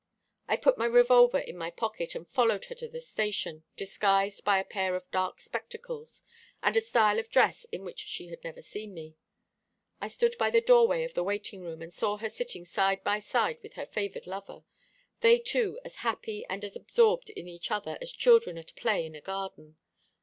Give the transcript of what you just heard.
I put my revolver in my pocket, and followed her to the station, disguised by a pair of dark spectacles and a style of dress in which she had never seen me. I stood by the doorway of the waiting room, and saw her sitting side by side with her favoured lover, they two as happy and as absorbed in each other as children at play in a garden.